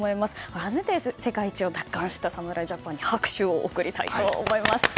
改めて世界一を奪還した侍ジャパンに拍手を送りたいと思います。